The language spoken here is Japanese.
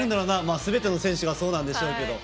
すべての選手がそうなんでしょうけど。